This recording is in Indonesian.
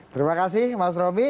terima kasih mas romy